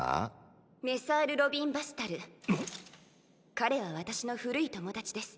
彼は私の古い友達です。